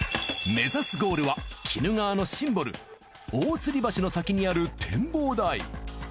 目指すゴールは鬼怒川のシンボル大吊り橋の先にある展望台。